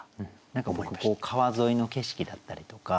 何か僕川沿いの景色だったりとか。